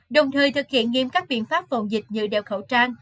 đồng thời thực hiện nghiêm các biện pháp phòng dịch như đeo khẩu trang